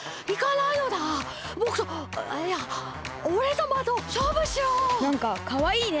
なんかかわいいね。